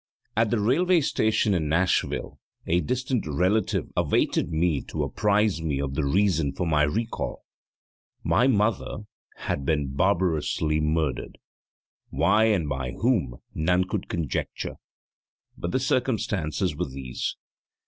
At the railway station in Nashville a distant relative awaited me to apprise me of the reason for my recall: my mother had been barbarously murdered why and by whom none could conjecture, but the circumstances were these.